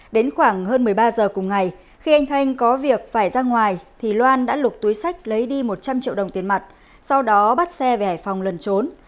đến khoảng hơn một mươi ba giờ cùng ngày khi anh thanh có việc phải ra ngoài thì loan đã lục túi sách lấy đi một trăm linh triệu đồng tiền mặt sau đó bắt xe về hải phòng lần trốn